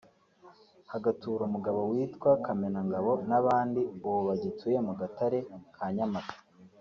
hagatura umugabo witwa Kamenangabo n’abandi ubu bagituye ku Gatare ka Nyamata”